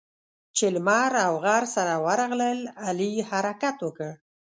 چې لمر او غر سره ورغلل؛ علي حرکت وکړ.